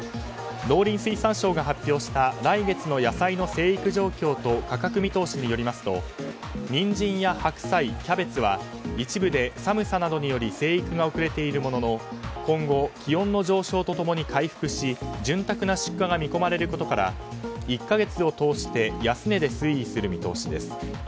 農林水産省が発表した来月の野菜の生育状況と価格見通しによりますとニンジンや白菜、キャベツは一部で寒さなどにより生育が遅れているものの今後、気温の上昇と共に回復し潤沢な出荷が見込まれることから１か月を通して安値で推移する見通しです。